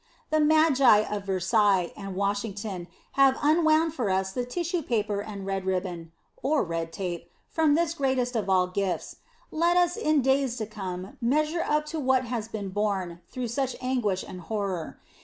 The Magi of Versailles and Washington having unwound for us the tissue paper and red ribbon (or red tape) from this greatest of all gifts, let us in days to come measure up to what has been born through such anguish and horror.